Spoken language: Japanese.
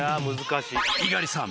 ［猪狩さん。